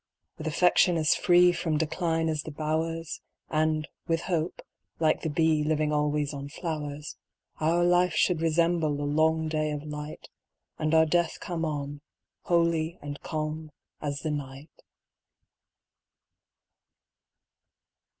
With affection as free From decline as the bowers, And, with hope, like the bee, Living always on flowers, Our life should resemble a long day of light, And our death come on, holy and calm as the night.